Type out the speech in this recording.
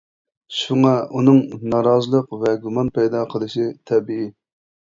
شۇڭا ئۇنىڭ نارازىلىق ۋە گۇمان پەيدا قىلىشى تەبىئىي.